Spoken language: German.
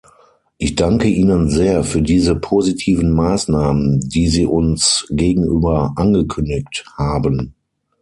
Ich danke Ihnen sehr für diese positiven Maßnahmen, die Sie uns gegenüber angekündigt haben.